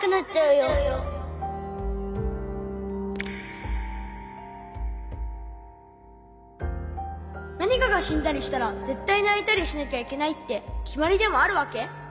回そう何かがしんだりしたらぜったいないたりしなきゃいけないってきまりでもあるわけ？